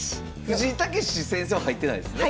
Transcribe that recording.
藤井猛先生は入ってないですね？